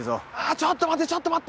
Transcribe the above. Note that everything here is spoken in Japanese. ちょっと待ってちょっと待って！